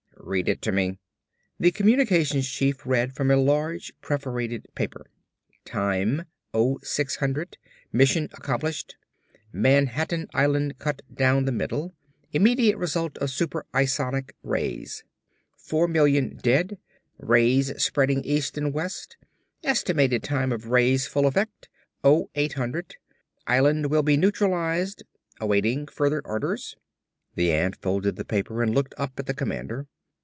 "Read it to me." The communications chief read from a large perforated paper. "Time 0600 mission accomplished. Manhattan island cut down the middle immediate result of super isonic rays; four million dead rays spreading east and west estimated time of rays' full effect; 0800 island will then be neutralized awaiting further orders." The ant folded the paper and looked up at the commander.